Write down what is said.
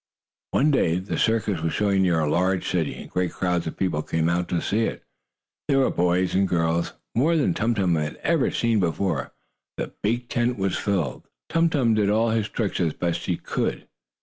One day the circus was showing near a large city, and great crowds of people came out to see it. There were boys and girls more than Tum Tum had ever seen before. The big tent was full. Tum Tum did all his tricks as best he could.